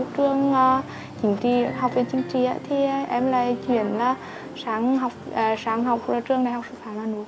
trường học viên chính kỳ thì em lại chuyển sáng học trường đại học sự phạm